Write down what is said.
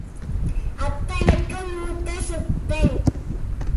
அப்பனுக்கு மூத்த சுப்பன்.